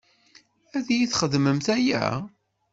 Ad iyi-txedmem aya?